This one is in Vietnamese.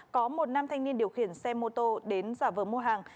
có một nam thanh niên điều khiển xe mô tô đến giả vờ mua hàng